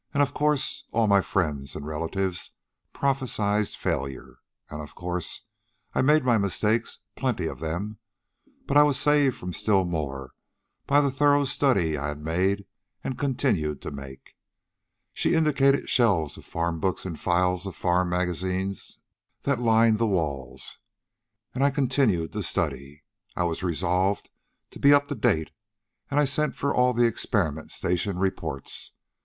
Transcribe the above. Of course, all my friends and relatives prophesied failure. And, of course, I made my mistakes, plenty of them, but I was saved from still more by the thorough study I had made and continued to make." She indicated shelves of farm books and files of farm magazines that lined the walls. "And I continued to study. I was resolved to be up to date, and I sent for all the experiment station reports.